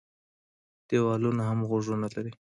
ـ دېوالونو هم غوږونه لري.